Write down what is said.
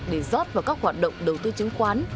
để rót vào các hoạt động đầu tư chứng khoán